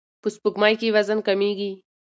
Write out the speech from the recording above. په سپوږمۍ کې وزن کمیږي.